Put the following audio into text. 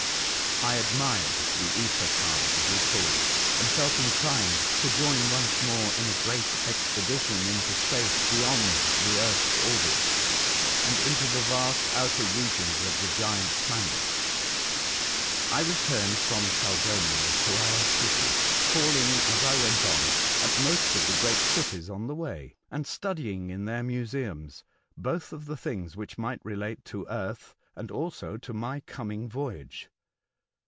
I admired the ether car, as we called it, and felt inclined to join once more in a great expe dition into space beyond the earth's orbit, and into the vast outer regions of the giant planets. I returned from Saldonio to our city, calling, as I went on, at most of the great cities on the way, and studying, in their museums, both of the things which might relate to earth and also to my coming voyage.